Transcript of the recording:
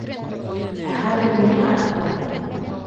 Ә хәҙер минең арттан!